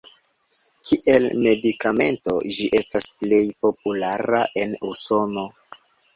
Kiel medikamento ĝi estas plej populara en Usono.